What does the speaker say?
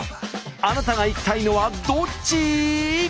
あなたが行きたいのはどっち？